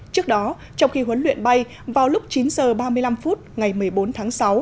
trước đó trong khi huấn luyện bay vào lúc chín h ba mươi năm phút ngày một mươi bốn tháng sáu